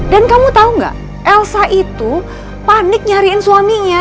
dan kamu tahu tidak elsa itu panik mencari suaminya